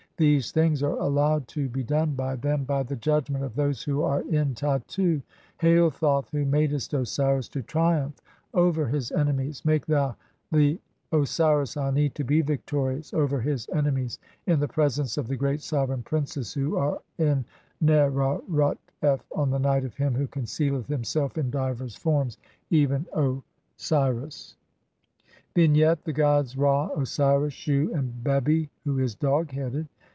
(3) These things are allowed to be done by them by the judgment of those who are in Tattu. "Hail, Thoth, who madest Osiris to triumph over his enemies, "make thou the Osiris Ani (4) to be victorious over his enemies "in the presence of the great sovereign princes who are in Na "arerut f, 1 on the night of him who concealeth himself in divers "forms, even Osiris." 1. /. e., An rut f. 64 THE CHAPTERS OF COMING FORTH BY DAY. I. Vignette : The gods Ra, Osiris, Shu, and Bcbi, who is dog headed.